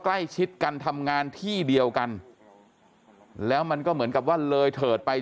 ใกล้ชิดกันทำงานที่เดียวกันแล้วมันก็เหมือนกับว่าเลยเถิดไป